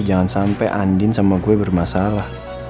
jangan sampai andin sama gue bermasalah